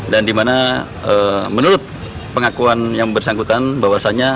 dan dimana menurut pengakuan yang bersangkutan bahwasannya